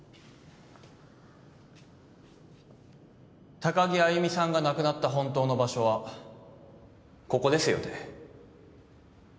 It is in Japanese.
高城歩さんが亡くなった本当の場所はここですよね？